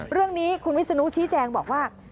เรื่องนี้คุณวิศนุชี้แจงบอกว่า